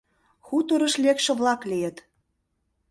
Хуторыш лекше-влак лийыт...